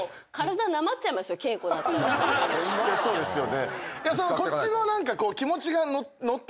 そうですよね。